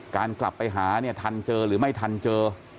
กลับไปหาเนี่ยทันเจอหรือไม่ทันเจอ